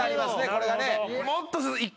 これがね